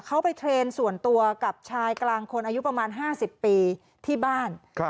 เขาไปเทรนด์ส่วนตัวกับชายกลางคนอายุประมาณ๕๐ปีที่บ้าน